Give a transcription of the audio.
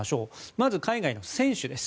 まず、海外の選手です。